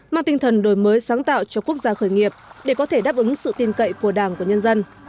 mang tinh thần đổi mới sáng tạo cho quốc gia khởi nghiệp để có thể đáp ứng sự tin cậy của đảng và nhân dân